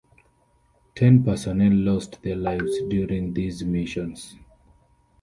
Ten personnel lost their lives during these missions.